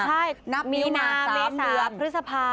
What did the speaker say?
ใช่นับมีนาเมษาพฤษภา